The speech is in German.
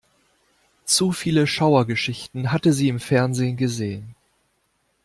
Zu viele Schauergeschichten hatte sie im Fernsehen gesehen.